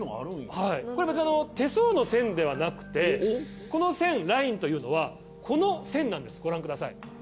はいこれ別に手相の線ではなくてこの線ラインというのはこの線なんですご覧ください。